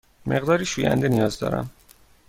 مقداری شوینده نیاز دارم.